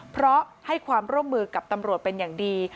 เพราะให้ความร่วมมือกับตำรวจเป็นอย่างดี